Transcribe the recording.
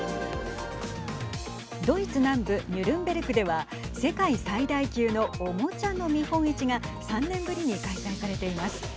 ドイツ南部ニュルンベルクでは世界最大級のおもちゃの見本市が３年ぶりに開催されています。